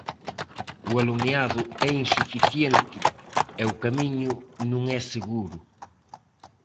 O alumeado é insuficiente e o camiño non é seguro.